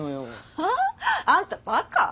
はあ？あんたバカ？